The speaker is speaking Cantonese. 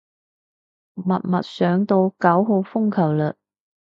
默默上到九號風球嘞